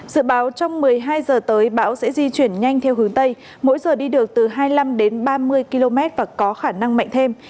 dự báo trong một mươi hai h tới bão sẽ di chuyển nhanh theo hướng tây mỗi giờ đi được từ hai mươi năm đến ba mươi km và có khả năng mạnh thêm